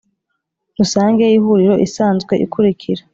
Rusange y Ihuriro isanzwe ikurikira